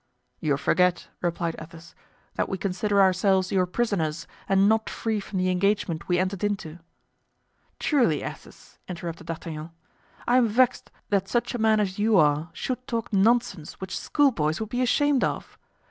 "You forget," replied Athos, "that we consider ourselves your prisoners and not free from the engagement we entered into." "Truly, Athos," interrupted D'Artagnan, "I am vexed that such a man as you are should talk nonsense which schoolboys would be ashamed of.